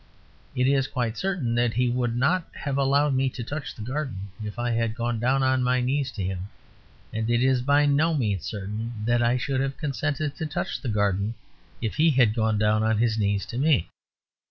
It is quite certain that he would not have allowed me to touch the garden if I had gone down on my knees to him. And it is by no means certain that I should have consented to touch the garden if he had gone down on his knees to me.